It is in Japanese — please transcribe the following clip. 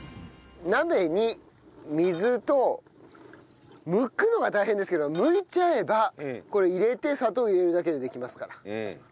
鍋に水とむくのが大変ですけどむいちゃえばこれ入れて砂糖入れるだけでできますから。